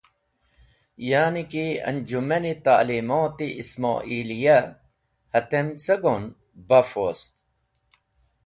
Ya’ni ki anjuman-e ta’limot-e Ism’oliya. Hatem ce go’n, baf wost.